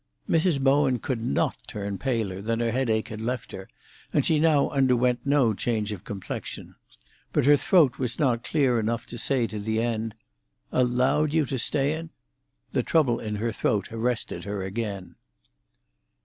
Mrs. Bowen could not turn paler than her headache had left her, and she now underwent no change of complexion. But her throat was not clear enough to say to the end, "Allowed you to stay in—" The trouble in her throat arrested her again.